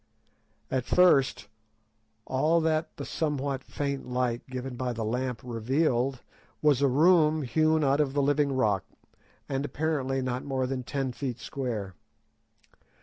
At first, all that the somewhat faint light given by the lamp revealed was a room hewn out of the living rock, and apparently not more than ten feet square.